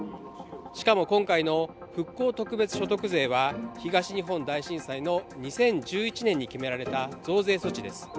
しかも、今回の復興特別所得税は東日本大震災の２０１１年に決められた増税措置です。